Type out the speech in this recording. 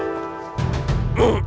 saya gak bermenang